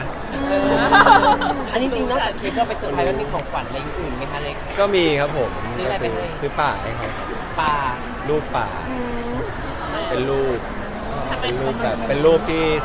อันนี้จริงนอกจากเคเจ้าไปเซอร์ไพร์